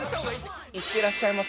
「いってらっしゃいませ」